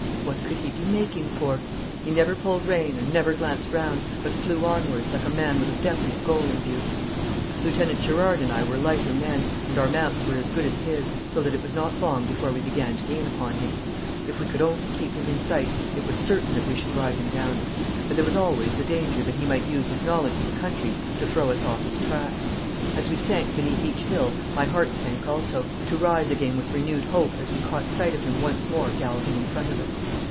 What could he be making for? He never pulled rein and never glanced round, but flew onwards, like a man with a definite goal in view. Lieutenant Gerard and I were lighter men, and our mounts were as good as his, so that it was not long before we began to gain upon him. If we could only keep him in sight it was certain that we should ride him down; but there was always the danger that he might use his knowledge of the country to throw us off his track. As we sank beneath each hill my heart sank also, to rise again with renewed hope as we caught sight of him once more galloping in front of us.